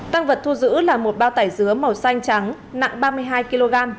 tăng vật thu giữ là một bao tải dứa màu xanh trắng nặng ba mươi hai kg